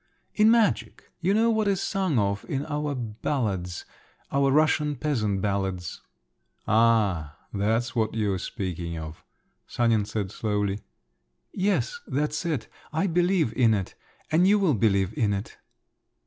"In magic?—you know what is sung of in our ballads—our Russian peasant ballads?" "Ah! That's what you're speaking of," Sanin said slowly. "Yes, that's it. I believe in it … and you will believe in it."